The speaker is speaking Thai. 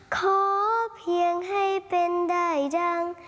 ขอเพียงให้เป็นได้ดัง